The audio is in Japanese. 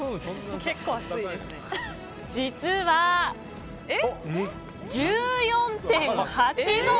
実は１４．８度。